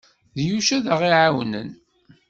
D Yuc ay aɣ-iɛawnen.